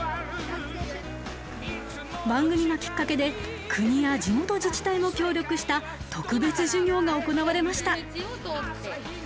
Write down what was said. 番組がきっかけで国や地元自治体も協力した特別授業が行われました。